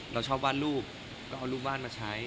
เราชอบวาดรูปก็เอารูปวาดมาใช้